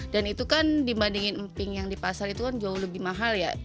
dan itu kan dibandingin emping yang dipasar itu kan jauh lebih mahal ya